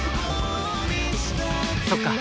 そっか。